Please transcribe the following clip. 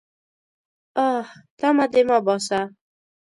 _اه! تمه دې مه باسه.